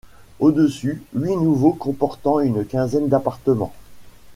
Au-dessus, huit niveaux comportant une quinzaine d'appartements.